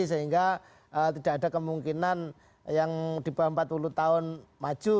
sehingga tidak ada kemungkinan yang di bawah empat puluh tahun maju